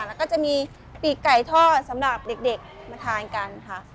แล้วก็จะมีปีกไก่ทอดสำหรับเด็กมาทานกันค่ะ